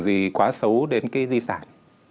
gì quá xấu đến cái di sản